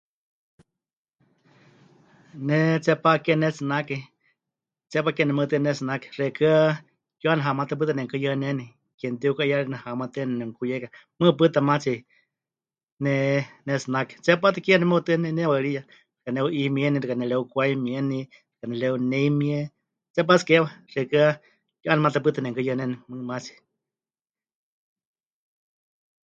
Ne tsepá keewa pɨnetsinake, tsepá keewa nemeutɨa pɨnetsinake, xeikɨ́a ke mɨ'ane hamatɨa pɨta nemɨkɨyɨaneni, ke mɨtiuka'iyaarini hamatɨana nemɨkuyeika, mɨɨkɨ pɨta maatsi ne pɨnetsinake, tsepá tɨ keewa nemeutɨa ne nepɨnewaɨriya, xɨka neheu'imieni, xɨka nereukwaimieni ya nepɨreuneimie tsepá tsɨ keewa, xeikɨ́a ke mɨ'ane matɨa pɨta nemɨkɨyɨaneni, mɨɨkɨ maatsi.